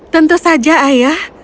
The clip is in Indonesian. tentu saja ayah